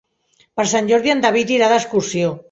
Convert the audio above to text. Per Sant Jordi en David irà d'excursió.